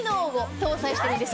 搭載しているんです。